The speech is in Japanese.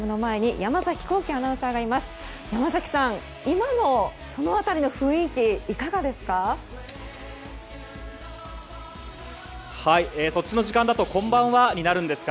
山崎さん、今のその辺りの雰囲気いかがですか。